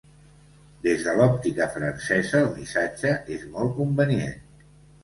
Des de l'òptica francesa, el missatge és molt convenient.